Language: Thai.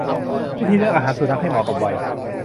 วิธีเลือกอาหารสุนัขให้เหมาะกับวัย